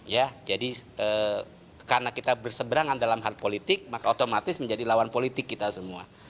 ya jadi karena kita berseberangan dalam hal politik maka otomatis menjadi lawan politik kita semua